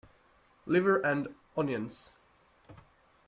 Liver and onions.